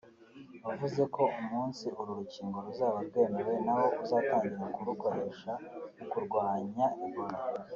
wavuze ko umunsi uru rukingo ruzaba rwemewe na wo uzatangira kurukoresha mu kurwanya Ebola